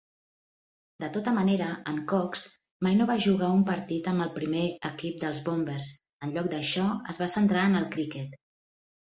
De tota manera, en Cox mai no va jugar un partit amb el primer equip dels Bombers; en lloc d'això, es va centrar en el criquet.